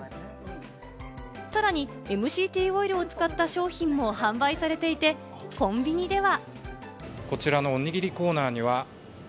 さらにＭＣＴオイルを使った商品を販売されていて、コンビニでは。